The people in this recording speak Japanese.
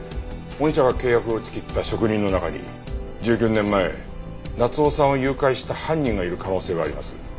御社が契約を打ち切った職人の中に１９年前夏夫さんを誘拐した犯人がいる可能性があります。